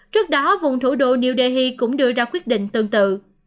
trước đó vùng thủ đô new delhi cũng đưa ra quyết định tương tự